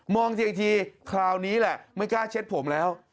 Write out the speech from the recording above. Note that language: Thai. ทีอีกทีคราวนี้แหละไม่กล้าเช็ดผมแล้ว